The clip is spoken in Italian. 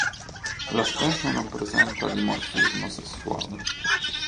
La specie non presenta dimorfismo sessuale.